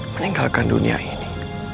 meninggalkan dunia ini